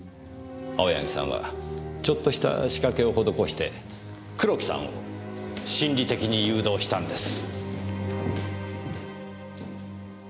青柳さんはちょっとした仕掛けを施して黒木さんを心理的に誘導したんです。